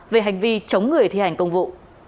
về hành vi chống người thi hành công vụ